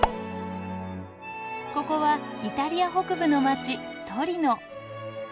ここはイタリア北部の街トリノ。